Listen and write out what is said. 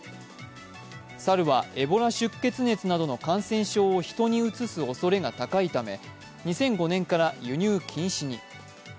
猿は、エボラ出血熱などの感染症を人にうつすおそれが高いため、２００５年から輸入禁止に。